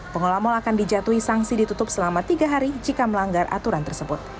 pengelola mal akan dijatuhi sanksi ditutup selama tiga hari jika melanggar aturan tersebut